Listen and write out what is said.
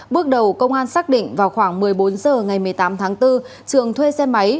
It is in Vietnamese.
bước đầu công an xác định vào khoảng một mươi bốn h ngày một mươi tám tháng bốn trường thuê xe máy